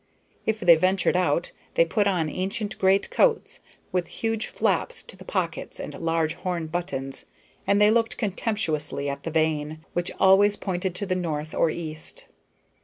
If they ventured out, they put on ancient great coats, with huge flaps to the pockets and large horn buttons, and they looked contemptuously at the vane, which always pointed to the north or east.